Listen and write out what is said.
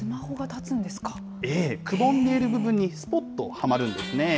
ええ、くぼんでいる部分に、すぽっとはまるんですね。